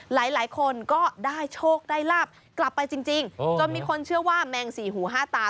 หลายคนก็ได้โชคได้ลาบกลับไปจริงจนมีคนเชื่อว่าแมงสี่หูห้าตา